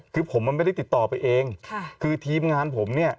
คือผมมันไม่ได้ติดต่อไปเองค่ะคือทีมงานผมเนี่ย